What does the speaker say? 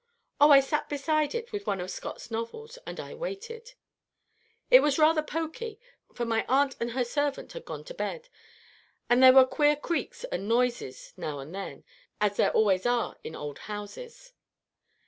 "Oh, I sat beside it with one of Scott's novels, and I waited. It was rather poky; for my aunt and her servant had gone to bed, and there were queer creaks and noises now and then, as there always are in old houses.